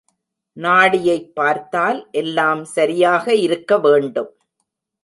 நாடியைப் பார்த்தால் எல்லாம் சரியாக இருக்க வேண்டும்.